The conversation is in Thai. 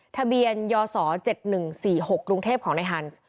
ทะเบียนยศ๗๑๔๖กรุงเทพของนายฮันส์